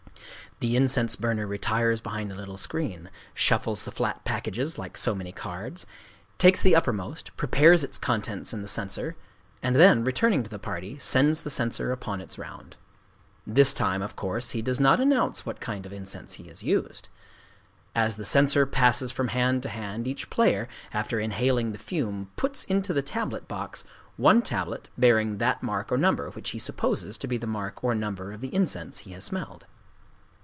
The incense burner retires behind a little screen, shuffles the flat packages like so many cards, takes the uppermost, prepares its contents in the censer, and then, returning to the party, sends the censer upon its round. This time, of course, he does not announce what kind of incense he has used. As the censer passes from hand to hand, each player, after inhaling the fume, puts into the tablet box one tablet bearing that mark or number which he supposes to be the mark or number of the incense he has smelled.